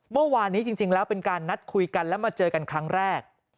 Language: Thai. เมื่อวานนี้จริงแล้วเป็นการนัดคุยกันแล้วมาเจอกันครั้งแรก